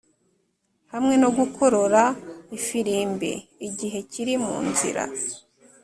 hamwe no gukorora ifirimbi, igihe kiri munzira